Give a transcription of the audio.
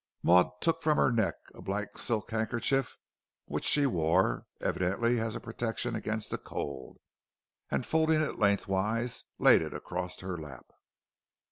Maud took from her neck a black silk handkerchief which she wore, evidently as a protection against the cold, and folding it lengthways, laid it across her lap.